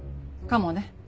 かもね。